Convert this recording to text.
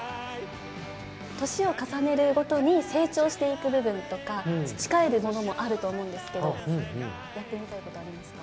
年を重ねるごとに、成長していく部分とか、培えるものもあると思うんですけど、やってみたいことありますか？